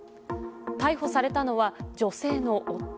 逮捕されたのは女性の夫。